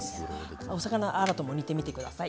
お魚アラとも煮てみてください。